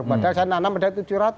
padahal saya nanam modal tujuh ratus